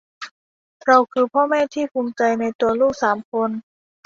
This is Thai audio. เราคือพ่อแม่ที่ภูมิใจในตัวลูกสามคน